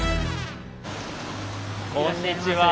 こんにちは。